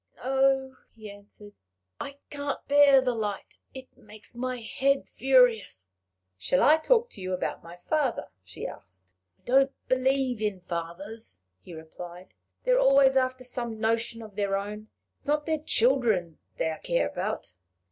"No," he answered; "I can't bear the light; it makes my head furious." "Shall I talk to you about my father?" she asked. "I don't believe in fathers," he replied. "They're always after some notion of their own. It's not their children they care about."